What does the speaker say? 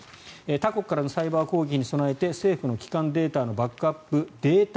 他国からのサイバー攻撃に備えて政府の基幹データのバックアップデータ